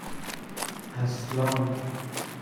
اَصلان